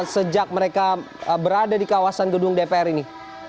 sejak mereka berada di kawasan gedung dpr ini